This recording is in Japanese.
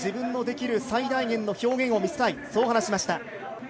自分のできる最大限の表現を見せたい、そう話しました。